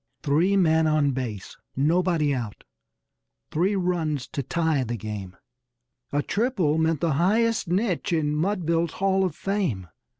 Three men on base nobody out three runs to tie the game! A triple meant the highest niche in Mudville's hall of fame.